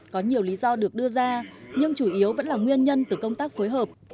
có nhiều lý do được đưa ra nhưng chủ yếu vẫn là nguyên nhân từ công tác phối hợp